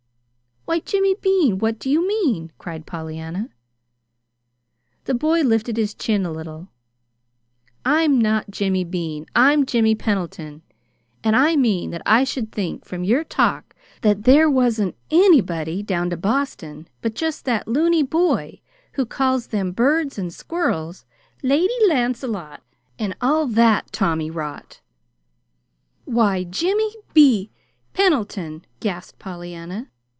"Why, Jimmy Bean, what do you mean?" cried Pollyanna. The boy lifted his chin a little. "I'm not Jimmy Bean. I'm Jimmy Pendleton. And I mean that I should think, from your talk, that there wasn't ANYBODY down to Boston but just that loony boy who calls them birds and squirrels 'Lady Lancelot,' and all that tommyrot." "Why, Jimmy Be Pendleton!" gasped Pollyanna.